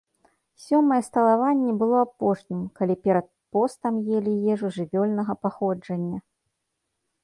Сёмае сталаванне было апошнім, калі перад постам елі ежу жывёльнага паходжання.